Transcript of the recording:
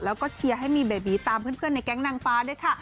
แล้วก็เชียร์ให้มีเบบีตามเพื่อนในแก๊งนางฟ้าด้วยค่ะ